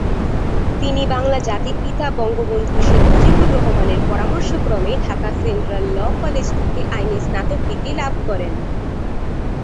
তিনি বাংলা জাতির পিতা বঙ্গবন্ধু শেখ মুজিবুর রহমানের পরামর্শক্রমে ঢাকা সেন্ট্রাল ল' কলেজ থেকে আইনে স্নাতক ডিগ্রি লাভ করেন।